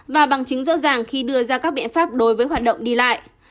và bằng chứng rõ ràng khi đưa ra các biện pháp đối với hoạt động đi lại